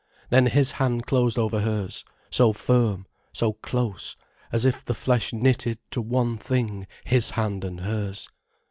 Then his hand closed over hers, so firm, so close, as if the flesh knitted to one thing his hand and hers.